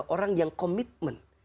orang yang komitmen